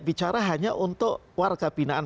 bicara hanya untuk warga binaan